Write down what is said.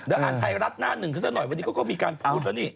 ออันไทยรัสหน้าหนึ่งสักหน่อยด้านนี้ก็มีการพูดแล้วสิ